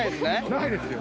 ないですよ。